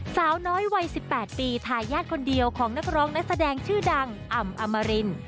สาวน้อยวัย๑๘ปีทายาทคนเดียวของนักร้องนักแสดงชื่อดังอ่ำอมริน